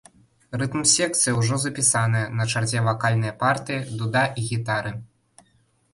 Рытм-секцыя ўжо запісаная, на чарзе вакальныя партыі, дуда і гітары.